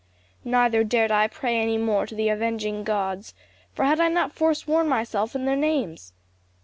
Neither dared I pray any more to the avenging gods; for had I not foresworn myself in their names?